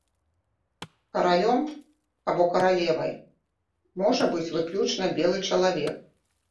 Каралём або каралевай можа быць выключна белы чалавек.